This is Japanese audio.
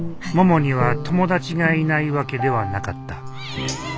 ももには友達がいないわけではなかった。